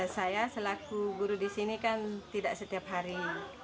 saya selaku guru di sini kan tidak setiap hari